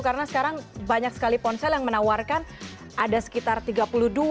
karena sekarang banyak sekali ponsel yang menawarkan ada sekitar tiga puluh dua gb